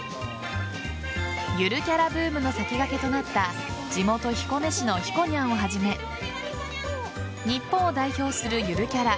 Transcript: ゆるキャラブームの先駆けとなった地元・彦根市のひこにゃんをはじめ日本を代表するゆるキャラ